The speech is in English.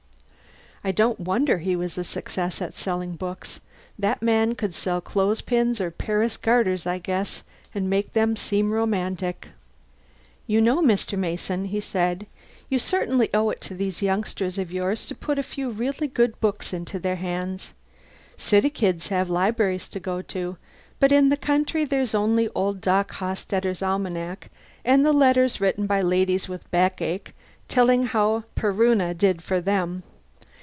I don't wonder he was a success at selling books. That man could sell clothes pins or Paris garters, I guess, and make them seem romantic. "You know, Mr. Mason," he said, "you certainly owe it to these youngsters of yours to put a few really good books into their hands. City kids have the libraries to go to, but in the country there's only old Doc Hostetter's Almanac and the letters written by ladies with backache telling how Peruna did for them.